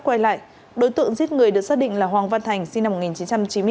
quay lại đối tượng giết người được xác định là hoàng văn thành sinh năm một nghìn chín trăm chín mươi bốn